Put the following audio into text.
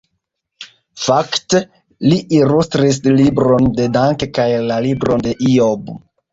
Fakte, li ilustris libron de Dante kaj la libron de Ijob.